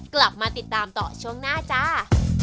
กลับมาติดตามต่อช่วงหน้าจ้า